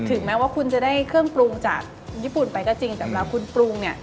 แม้ว่าคุณจะได้เครื่องปรุงจากญี่ปุ่นไปก็จริงแต่เวลาคุณปรุงเนี่ย